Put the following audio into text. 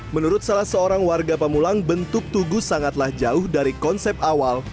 menurut salah seorang warga pemulang bentuk tugu sangatlah jauh dari konsep awal